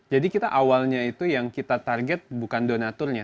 jadi kita awalnya itu yang kita target bukan donaturnya